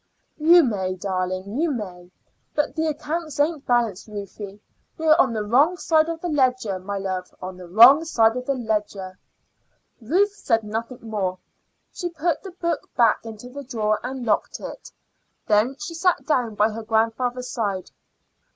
"You may, darling; you may. But the accounts ain't balanced, Ruthie; we are on the wrong side of the ledger, my love on the wrong side of the ledger." Ruth said nothing more. She put the book back into the drawer and locked it. Then she sat down by her grandfather's side.